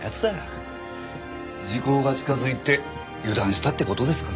時効が近づいて油断したって事ですかね。